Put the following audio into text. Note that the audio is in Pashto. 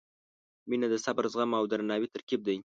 • مینه د صبر، زغم او درناوي ترکیب دی.